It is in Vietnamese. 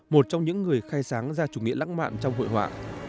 một trong những người khai sáng ra chủ nghĩa lãng mạn trong hội họa